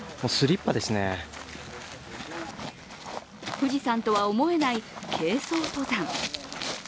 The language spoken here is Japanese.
富士山とは思えない軽装登山。